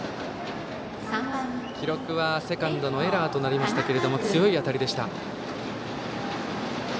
記録はセカンドのエラーとなりましたけども強い当たりでした。